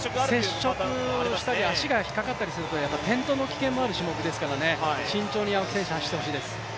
接触したり足が引っかかったりすると転倒の危険もある種目ですから慎重に青木選手、走ってほしいです。